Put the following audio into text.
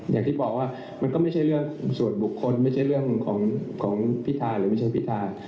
อย่างที่บอกว่ามันก็ไม่ใช่เรื่องส่วนบุคคลไม่ใช่เรื่องของพิธาหรือไม่ใช่พิธา